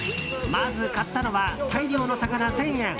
まず買ったのは大量の魚１０００円。